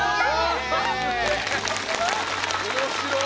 面白い！